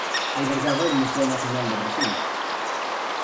Albergaba el Museo Nacional de Brasil.